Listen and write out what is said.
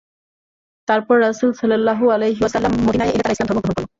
তারপর রাসূল সাল্লাল্লাহু আলাইহি ওয়াসাল্লাম মদীনায় এলে তারা ইসলাম ধর্ম গ্রহণ করল।